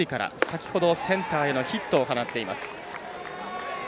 先ほどセンターへのヒットを放っています。